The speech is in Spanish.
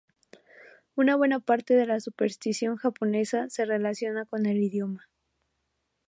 Una buena parte de la superstición japonesa se relaciona con el idioma.